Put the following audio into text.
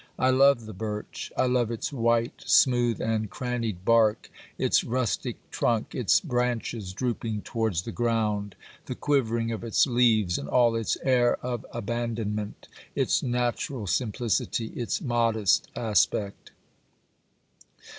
I love the birch ; I love its white, smooth and crannied bark, its rustic trunk, its branches drooping towards the ground, the quivering of its leaves and all its air of abandonment, its natural simplicity, its modest aspect.